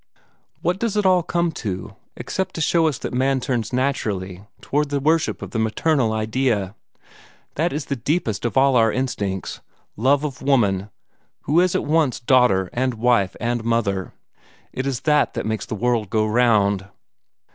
What does it all come to, except to show us that man turns naturally toward the worship of the maternal idea? That is the deepest of all our instincts love of woman, who is at once daughter and wife and mother. It is that that makes the world go round."